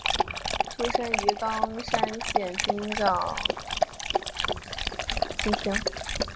出身于冈山县御津郡御津町。